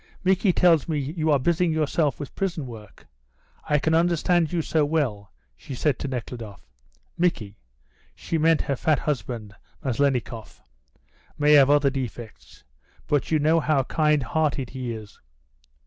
"Micky tells me you are busying yourself with prison work. I can understand you so well," she said to Nekhludoff. "Micky (she meant her fat husband, Maslennikoff) may have other defects, but you know how kind hearted he is.